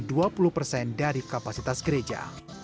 dua puluh persen dari kapasitas gereja